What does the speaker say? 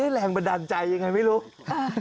เวลาฟังธรรมที่ไรเนี่ยเห็นกล่องนอนเลยนะครับ